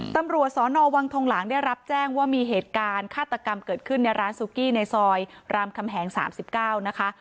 ตำรวจสนวังทองหลังได้รับแจ้งว่ามีเหตุการณ์ฆาตกรรมเกิดขึ้นในร้านซูกี้ในซอยรามคำแหง๓๙นะคะ